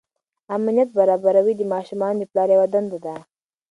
امنیت برابروي د ماشومانو د پلار یوه دنده ده.